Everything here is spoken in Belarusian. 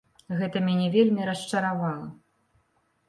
Гэта мяне вельмі расчаравала.